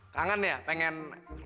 kangen ya pengen